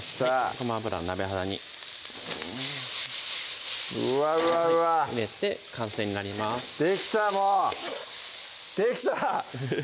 ごま油鍋肌にうわうわうわ入れて完成になりますできたもうできた！